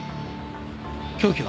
凶器は？